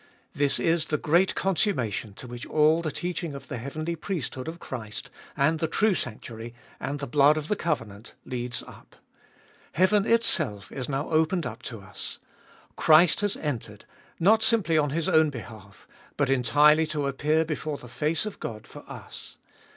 This is the great consummation to which all the teaching of the heavenly priesthood of Christ, and the true sanctuary, and the blood of the covenant leads up. Heaven itself is now opened up to us. Christ has entered, not simply on His own behalf, but entirely to appear before the face of God for us.